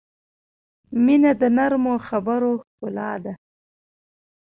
• مینه د نرمو خبرو ښکلا ده.